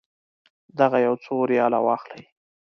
دغه یو څو ریاله واخلئ.